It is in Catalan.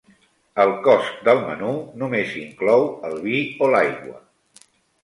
El cost del menú només inclou el vi o l'aigua.